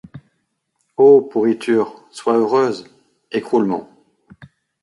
Ô pourriture, sois heureuse ; écroulement